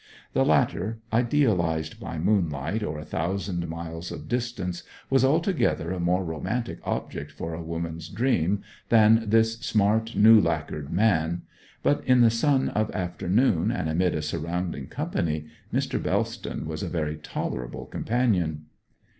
The latter, idealized by moonlight, or a thousand miles of distance, was altogether a more romantic object for a woman's dream than this smart new lacquered man; but in the sun of afternoon, and amid a surrounding company, Mr. Bellston was a very tolerable companion.